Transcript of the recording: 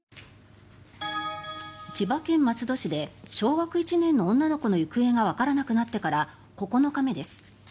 千葉県松戸市で小学１年の女の子の行方がわからなくなってから９日目です。